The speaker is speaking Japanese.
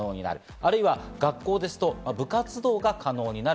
あるいは学校ですと部活動が可能になる。